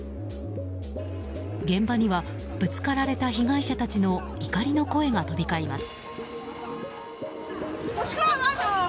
現場にはぶつかられた被害者たちの怒りの声が飛び交います。